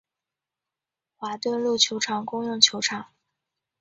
华顿路球场共用球场。